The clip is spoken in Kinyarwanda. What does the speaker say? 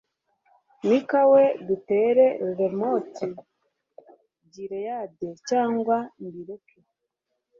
mikaya we dutere ramoti gileyadi cyangwa mbireke